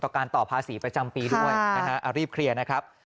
การต่อภาษีประจำปีด้วยนะฮะรีบเคลียร์นะครับ